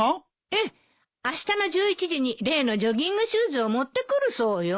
ええあしたの１１時に例のジョギングシューズを持ってくるそうよ。